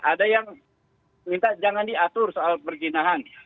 ada yang minta jangan diatur soal perjinahan